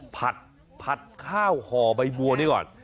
ผัดข้าวห่อใบบัวนี่ก่อน